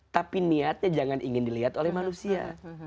tapi niatnya jangan ingin dilihat oleh manusia